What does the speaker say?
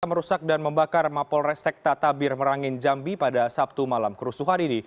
bupati merusak dan membakar mapolres tekta tabir merangin jambi pada sabtu malam kerusuhan ini